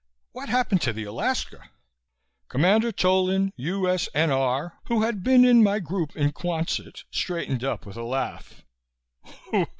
What happened to the Alaska?" Commander Tolan, U.S.N.R., who had been in my group in Quonset, straightened up with a laugh.